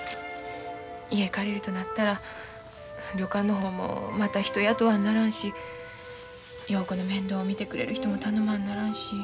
家借りるとなったら旅館の方もまた人雇わんならんし陽子の面倒見てくれる人も頼まんならんし。